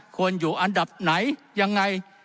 ควรอยู่อันดับไหนยังไง